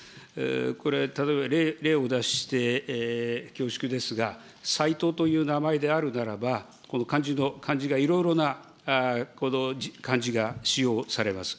これ例えば例を出して恐縮ですが、さいとうという名前であるならば、この漢字が、いろいろな漢字が使用されます。